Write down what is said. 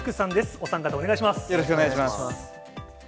お三方、よろしくお願いします。